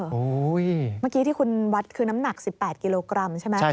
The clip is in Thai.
เมื่อกี้ที่คุณวัดคือน้ำหนัก๑๘กิโลกรัมใช่ไหม